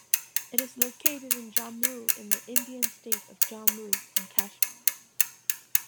It is located in Jammu in the Indian state of Jammu and Kashmir.